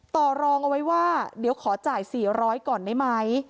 ต่อรองเอาไว้ว่าเดี๋ยวขอจ่าย๔๐๐ก่อนได้ไหม